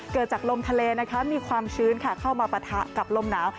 เกิดจากลมทะเลมีความชื้นเข้ามาปะทะกับลมหนาว